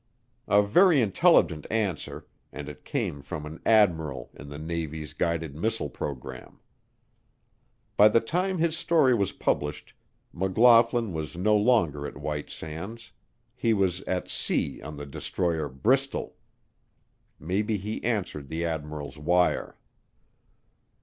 A very intelligent answer and it came from an admiral in the Navy's guided missile program. By the time his story was published, McLaughlin was no longer at White Sands; he was at sea on the destroyer Bristol. Maybe he answered the admiral's wire.